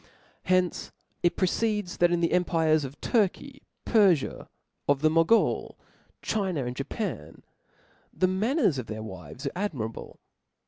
From hence it proceeds, that in the empires of Turky, Perfia, of the Mogul, China, and Japan, the manners of their w^ves are ad mirable.